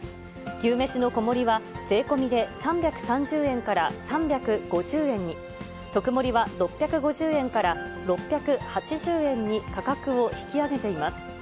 牛めしの小盛は税込みで３３０円から３５０円に、特盛は６５０円から６８０円に価格を引き上げています。